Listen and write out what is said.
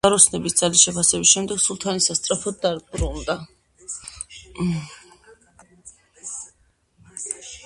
ჯვაროსნების ძალის შეფასების შემდეგ სულთანი სასწრაფოდ დაბრუნდა.